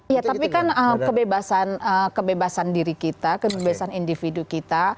ya tapi kan kebebasan diri kita kebebasan individu kita